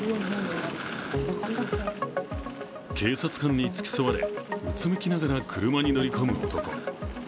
警察に付き添われうつむきながら車に乗り込む男。